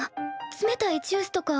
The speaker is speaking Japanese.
冷たいジュースとか？